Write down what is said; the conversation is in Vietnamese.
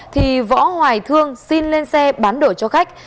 thì võ hoài thương xin lên xe bán đổi cho khách